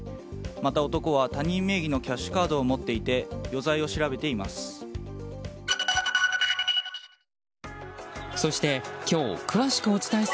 また男は他人名義のキャッシュカードを持っていて余罪を調べています。